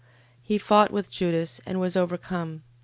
13:23. He fought with Judas: and was overcome.